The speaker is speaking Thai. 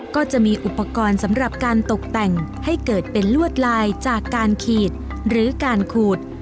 ก็จะมีอุปกรณ์สำหรับการตกแต่งให้เกิดเป็นลวดลายจากการขีดหรือการขูด